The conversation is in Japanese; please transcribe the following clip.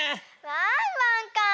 ワンワンか。